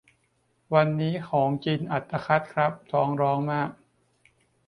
วันนี้ของกินอัตคัดครับ ท้องร้องมาก